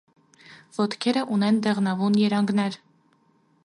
Ոտքերը ունեն դեղնավուն երանգներ։